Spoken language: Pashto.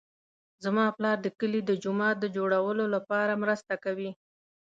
زما پلار د کلي د جومات د جوړولو لپاره مرسته کوي